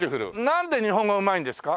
なんで日本語うまいんですか？